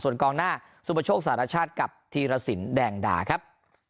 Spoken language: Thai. ส่วนกองหน้าสุปโชคสารชาติกับธีรสินแดงดาครับ